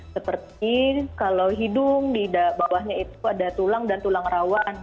seperti kalau hidung di bawahnya itu ada tulang dan tulang rawan